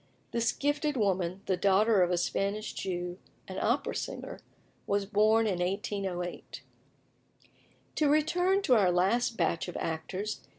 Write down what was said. This gifted woman, the daughter of a Spanish Jew (an opera singer), was born in 1808. To return to our last batch of actors.